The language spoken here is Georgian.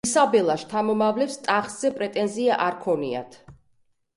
ისაბელას შთამომავლებს ტახტზე პრეტენზია არ ქონიათ.